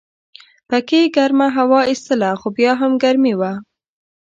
پکې ګرمه هوا ایستله خو بیا هم ګرمي وه.